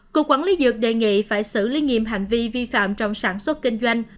cục quản lý dược đề nghị phải xử lý nghiêm hành vi vi phạm trong sản xuất kinh doanh